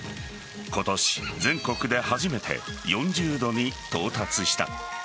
今年、全国で初めて４０度に到達した。